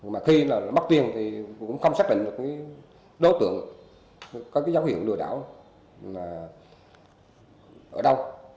mà khi bắt tiền thì cũng không xác định được đối tượng có dấu hiệu lừa đảo ở đâu